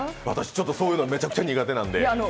私、ちょっとそういうのめちゃくちゃ苦手なんで。